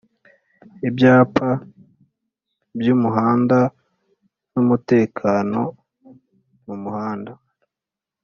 Ibyapa by’umuhanda n’umutekano mu muhanda